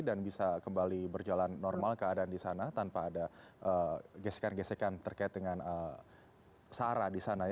dan bisa kembali berjalan normal keadaan di sana tanpa ada gesekan gesekan terkait dengan searah di sana